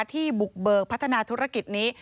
ที่บุกเบิกพัฒนาธุรกิจนี้